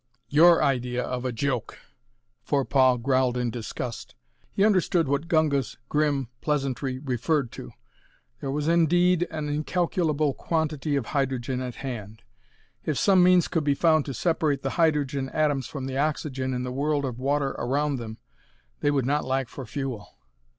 "Your idea of a joke!" Forepaugh growled in disgust. He understood what Gunga's grim pleasantry referred to. There was indeed an incalculable quantity of hydrogen at hand. If some means could be found to separate the hydrogen atoms from the oxygen in the world of water around them they would not lack for fuel.